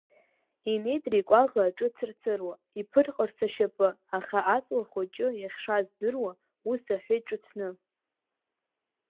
Инеит, реикәаӷа аҿы цырцыруа, иԥырҟарц ашьапы, аха аҵлахәыҷы, иахьшаз дыруа, ус аҳәеит ҿыҭны…